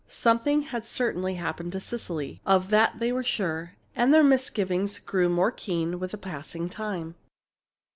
Something had certainly happened to Cecily. Of that they were sure, and their misgivings grew more keen with the passing time.